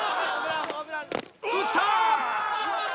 打った！